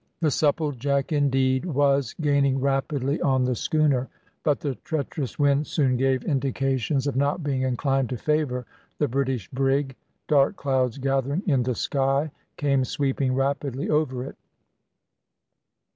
The Supplejack, indeed, was gaining rapidly on the schooner, but the treacherous wind soon gave indications of not being inclined to favour the British brig. Dark clouds gathering in the sky came sweeping rapidly over it.